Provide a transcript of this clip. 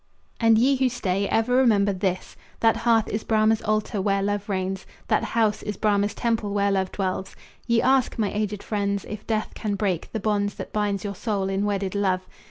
And ye who stay, ever remember this: That hearth is Brahma's altar where love reigns, That house is Brahma's temple where love dwells, Ye ask, my aged friends, if death can break The bonds that bind your souls in wedded love.